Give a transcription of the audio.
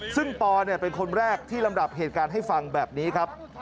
ซึ่งปอเป็นคนแรกที่ลำดับเหตุการณ์ให้ฟังแบบนี้ครับ